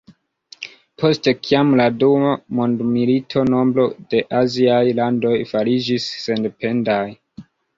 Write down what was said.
Post kiam la dua mondmilito, nombro de aziaj landoj fariĝis sendependaj.